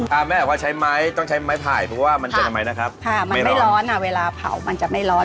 อ่าแม่ว่าใช้ไม้ต้องใช้ไม้ผ่ายเพราะว่ามันเจ็บใหม่นะครับไม่ร้อนค่ะค่ะมันไม่ร้อนค่ะเวลาเผามันจะไม่ร้อน